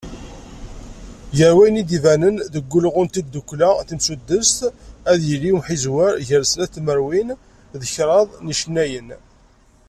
Gar wayen i d-ibanen deg wulɣu n tddukkla timsuddest, ad yili umḥizwer n snat tmerwin d kraḍ n yicennayen.